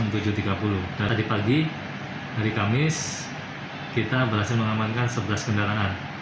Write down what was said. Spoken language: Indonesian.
nah tadi pagi hari kamis kita berhasil mengamankan sebelas kendaraan